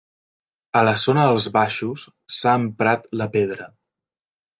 A la zona dels baixos s'ha emprat la pedra.